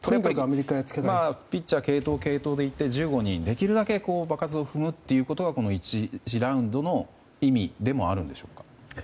ピッチャー、継投でいって１５人、できるだけ場数を踏むことが１次ラウンドの意味でもあるんでしょうか。